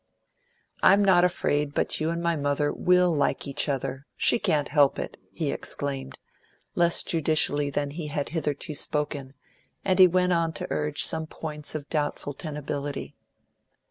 I'm not afraid but you and my mother will like each other she can't help it!" he exclaimed, less judicially than he had hitherto spoken, and he went on to urge some points of doubtful tenability.